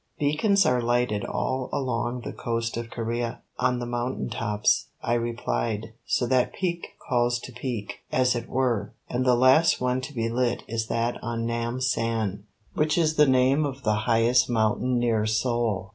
"Beacons are lighted all along the coast of Corea, on the mountain tops," I replied, "so that peak calls to peak, as it were; and the last one to be lit is that on Nam san, which is the name of the highest mountain near Seoul.